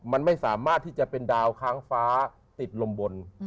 มันไม่สามารถที่จะเป็นดาวค้างฟ้าติดลมบน